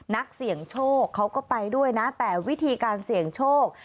นักเสี่ยงโชคเขาก็ไปด้วยนะแต่วิธีการเสี่ยงโชค